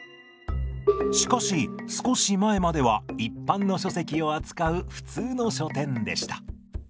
しかし少し前までは一般の書籍を扱う普通の書店でした。